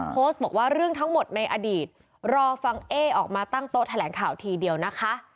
โพสต์บอกว่าเรื่องทั้งหมดในอดีตรอฟังเอ๊ออกมาตั้งโต๊ะแถลงข่าวทีเดียวนะคะ